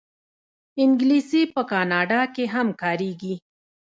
انګلیسي په کاناډا کې هم کارېږي